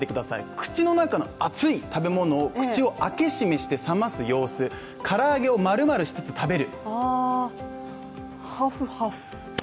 口の中の熱い食べ物を口を開け閉めして冷ます様子、唐揚げをまるまるしつつ食べる。